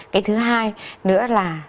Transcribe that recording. cái thứ hai nữa là